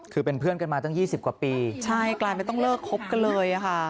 คือเป็นเพื่อนกันมาตั้ง๒๐กว่าปีใช่กลายไม่ต้องเลิกคบกันเลยค่ะ